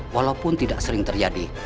walaupun tidak sering terjadi